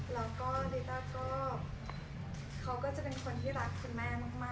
แล้วก็ลิต้าก็เขาก็จะเป็นคนที่รักคุณแม่มาก